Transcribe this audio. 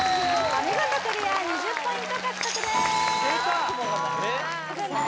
お見事クリア２０ポイント獲得ですさあ